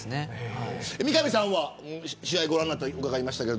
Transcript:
三上さんは試合をご覧になったと伺いましたが。